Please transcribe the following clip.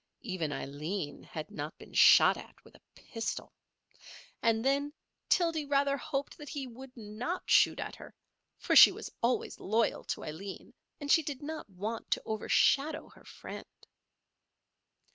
Even Aileen had not been shot at with a pistol. And then Tildy rather hoped that he would not shoot at her, for she was always loyal to Aileen; and she did not want to overshadow her friend.